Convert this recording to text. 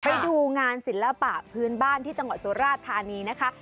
ไปดูงานศิลปะพื้นบ้านที่จังหวัดสุราชธานีนะคะ